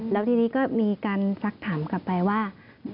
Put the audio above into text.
แล้วทีนี้ก็มีการซักถามกลับไปว่า